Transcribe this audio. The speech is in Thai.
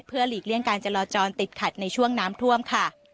หลีกเลี่ยงการจราจรติดขัดในช่วงน้ำท่วมค่ะ